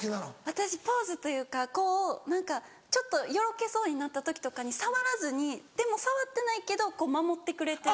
私ポーズというかこう何かちょっとよろけそうになった時とかに触らずにでも触ってないけどこう守ってくれてるっていう。